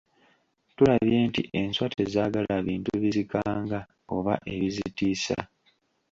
Tulabye nti enswa tezaagala bintu bizikanga oba ebizitiisa.